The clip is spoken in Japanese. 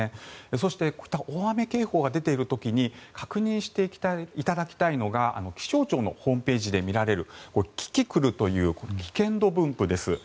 そしてこの大雨警報が出ている時に確認していただきたいのが気象庁のホームページで見られるキキクルという危険度分布です。